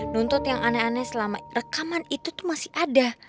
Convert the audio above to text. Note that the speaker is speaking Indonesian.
nuntut yang aneh aneh selama rekaman itu tuh masih ada